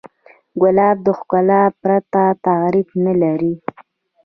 ګلاب د ښکلا پرته تعریف نه لري.